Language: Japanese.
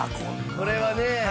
これはね。